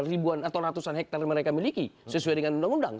ribuan atau ratusan hektare mereka miliki sesuai dengan undang undang